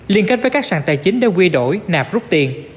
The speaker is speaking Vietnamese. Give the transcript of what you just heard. liên kết với các sàn tài chính để quy đổi nạp rút tiền